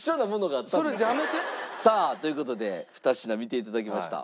さあという事で２品見ていただきました。